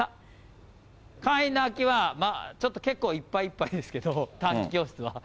会員の空きは、ちょっと結構いっぱいいっぱいですけど、短期教室は。